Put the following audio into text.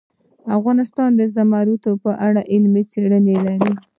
افغانستان د زمرد په اړه علمي څېړنې لري.